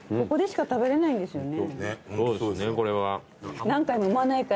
ここでしか食べれないんですよね。